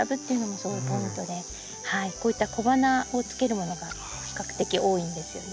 こういった小花をつけるものが比較的多いんですよね。